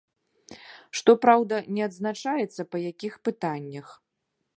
Што праўда, не адзначаецца па якіх пытаннях.